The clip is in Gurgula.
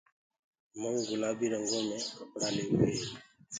مئونٚ گُلآبي رنٚگو مي ڪپڙآ ليوو هي